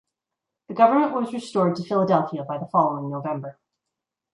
The government was restored to Philadelphia by the following November.